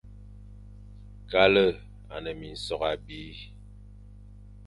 Kal e a ne minsokh abî,